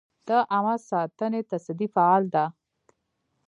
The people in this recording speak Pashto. د عامه ساتنې تصدۍ فعال ده؟